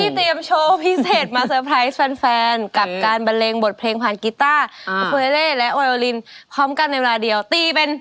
เตรียมโชว์พิเศษมาเตอร์ไพรส์แฟนกับการบันเลงบทเพลงผ่านกีต้าเวเล่และโอลินพร้อมกันในเวลาเดียวตีเป็น